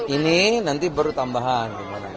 ini nanti baru tambahan